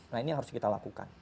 nah ini yang harus kita lakukan